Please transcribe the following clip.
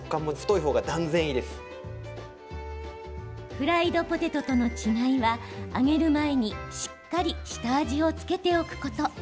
フライドポテトとの違いは揚げる前にしっかり下味を付けておくこと。